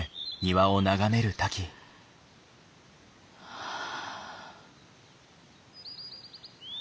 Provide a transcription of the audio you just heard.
はあ。